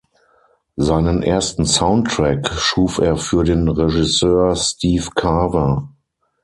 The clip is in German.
Seinen ersten Soundtrack schuf er für den Regisseur Steve Carver.